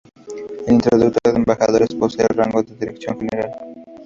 El introductor de embajadores posee rango de Dirección General.